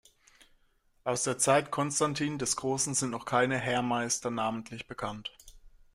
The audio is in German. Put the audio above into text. Aus der Zeit Konstantins des Großen sind noch keine Heermeister namentlich bekannt.